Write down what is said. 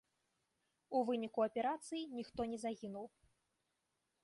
У выніку аперацыі ніхто не загінуў.